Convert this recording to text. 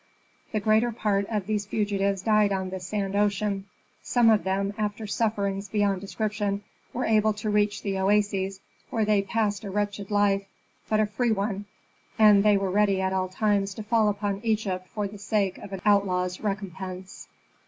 The greater part of these fugitives died on the sand ocean. Some of them, after sufferings beyond description, were able to reach the oases, where they passed a wretched life, but a free one, and they were ready at all times to fall upon Egypt for the sake of an outlaw's recompense.